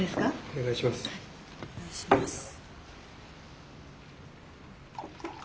お願いします。